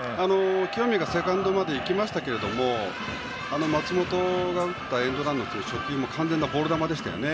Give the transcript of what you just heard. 清宮がセカンドまで行きましたが松本が打ったエンドランの初球も完全なボール球でしたよね。